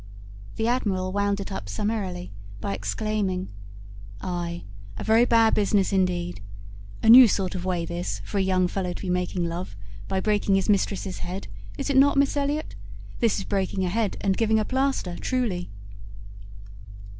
The Admiral wound it up summarily by exclaiming— "Ay, a very bad business indeed. A new sort of way this, for a young fellow to be making love, by breaking his mistress's head, is not it, Miss Elliot? This is breaking a head and giving a plaster, truly!"